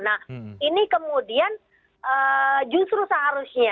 nah ini kemudian justru seharusnya